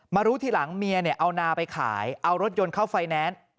รู้ทีหลังเมียเอานาไปขายเอารถยนต์เข้าไฟแนนซ์